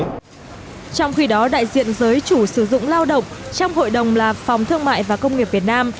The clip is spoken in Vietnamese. trong khi đó đại diện giới chủ sử dụng lao động trong hội đồng là phòng thương mại và công nghiệp việt nam